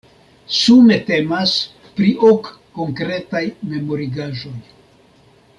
Sume temas pri ok konkretaj memorigaĵoj.